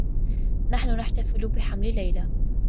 نحن نحتفل بحمل ليلى.